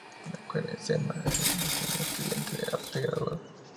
La mujer es Emma, una estudiante de arte graduada.